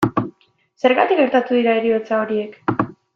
Zergatik gertatu dira heriotza horiek?